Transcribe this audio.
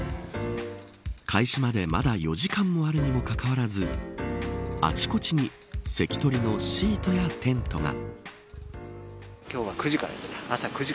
開始まで、まだ４時間もあるにもかかわらずあちこちに席取りのシートやテントが。